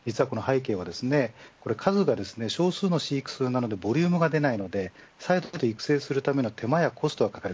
実はこの廃棄をですね数が少数の飼育数なのでボリュームが出ないので再度育成するための手間やコストがかかる。